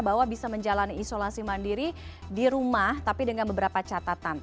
bahwa bisa menjalani isolasi mandiri di rumah tapi dengan beberapa catatan